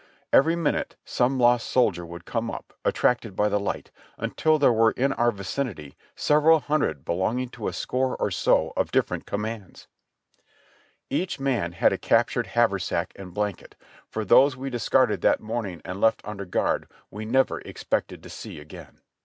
Every minute some lost soldier would come up, attracted by the light, until there were in our vicinity several hundred belonging to a score or so of different commands. Each man had a captured haversack and blanket, i THE WRECK AETER THE STORM 257 for those we discarded that morning and left under guard we never expected to see again.